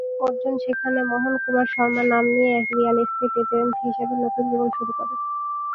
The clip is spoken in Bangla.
অর্জুন সেখানে মোহন কুমার শর্মা নাম নিয়ে এক রিয়েল এস্টেট এজেন্ট হিসেবে নতুন জীবন শুরু করে।